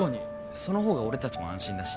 そのほうが俺たちも安心だし。